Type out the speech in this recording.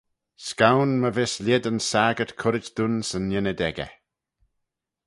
S'goan my vees lhied yn saggyrt currit dooin 'syn ynnyd echey.